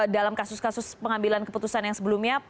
dalam kasus kasus pengambilan keputusan yang sebelumnya